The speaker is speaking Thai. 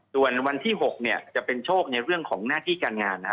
ส่วนวันที่๖จะเป็นโชคในเรื่องของหน้าที่การงาน